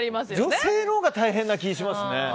女性のほうが大変な気がしますね。